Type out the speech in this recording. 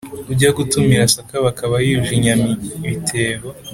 Ujya gutumira sakabaka aba yujuje inyama ibitebo.